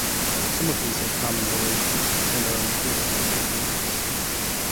Some of these are common relations and are included for completeness.